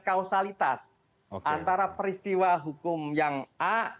kausalitas antara peristiwa hukum yang a